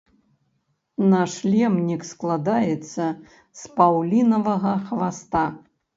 Нашлемнік складаецца з паўлінавага хваста.